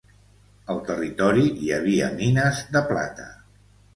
Al territori hi havia mines de plata.